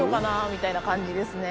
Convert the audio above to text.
みたいな感じですね。